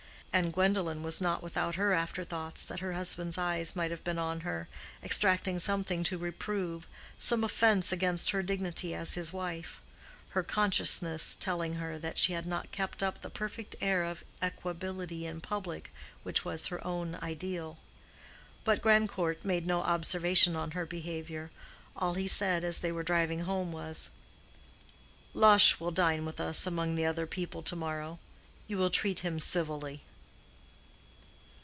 And Gwendolen was not without her after thoughts that her husband's eyes might have been on her, extracting something to reprove—some offence against her dignity as his wife; her consciousness telling her that she had not kept up the perfect air of equability in public which was her own ideal. But Grandcourt made no observation on her behavior. All he said as they were driving home was, "Lush will dine with us among the other people to morrow. You will treat him civilly."